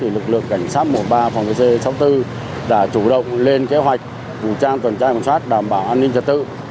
lực lượng cảnh sát mùa ba phòng dc sáu mươi bốn đã chủ động lên kế hoạch vũ trang tuần tra kiểm soát đảm bảo an ninh trật tự